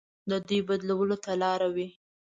د دوی بدلولو ته لاره وي.